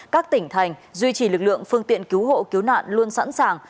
các tỉnh thành duy trì lực lượng phương tiện cứu hộ cứu nạn luôn sẵn sàng